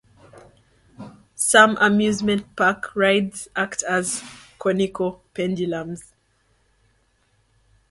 Some amusement park rides act as conical pendulums.